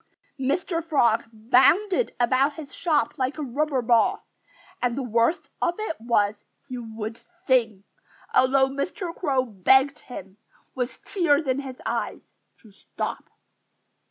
Mr. Frog bounded about his shop like a rubber ball. And the worst of it was, he would sing, although Mr. Crow begged him, with tears in his eyes, to stop.